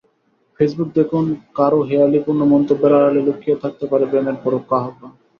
Facebook দেখুন কারও হেঁয়ালিপূর্ণ মন্তব্যের আড়ালে লুকিয়ে থাকতে পারে প্রেমের পরোক্ষ আহ্বান।